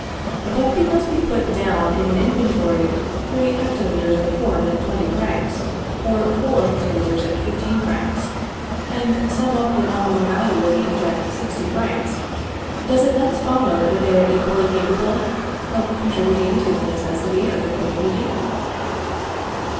But because we put down in an inventory three hectolitres of corn at 20 francs, or four hectolitres at 15 francs, and sum up the nominal value of each at 60 francs, does it thence follow that they are equally capable of contributing to the necessities of the community?